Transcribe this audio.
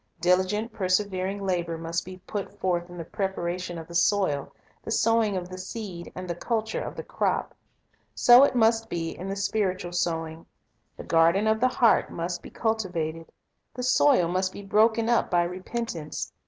Diligent, persevering labor must be put forth in the preparation of the soil, the sowing of the seed, and the culture of the crop. So it must be in the spiritual sowing. The garden of the heart must be cultivated. The soil must be broken up by repentance.